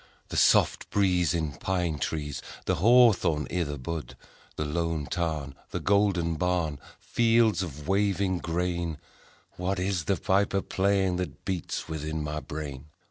The soft breeze In pine trees, The hawthorn i' the bud ; The lone tarn, The golden barn, Fields of waving grain â€" What is the piper playing That beats within my brain